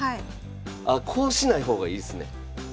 あこうしない方がいいっすね。